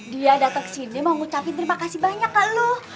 dia datang ke sini mau ngucapin terima kasih banyak kak lu